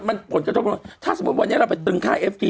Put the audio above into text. มันผลกระทบมากถ้าสมมติวันนี้เราเป็นเจริญค่าเอฟที